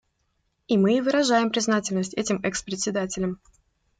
И мы и выражаем признательность этим экс-председателям.